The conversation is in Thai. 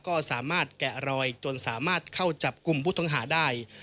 ก็สามารถแกะรอยจนสามารถเข้าจับกลุ่มพุทธงศาสตร์ได้